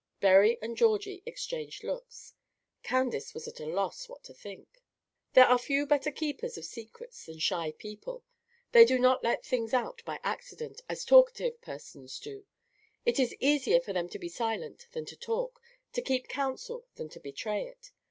Berry and Georgie exchanged looks. Candace was at a loss what to think. There are few better keepers of secrets than shy people. They do not let things out by accident, as talkative persons do; it is easier for them to be silent than to talk, to keep counsel than to betray it.